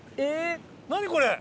何これ！